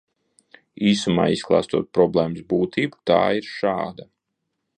Īsumā izklāstot problēmas būtību, tā ir šāda.